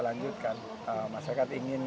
lanjutkan masyarakat ingin